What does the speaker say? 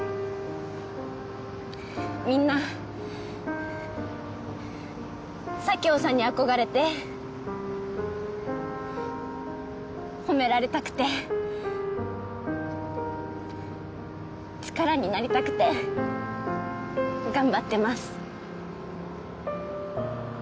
みんな佐京さんに憧れて褒められたくて力になりたくて頑張ってます